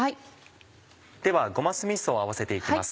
ではごま酢みそを合わせて行きます。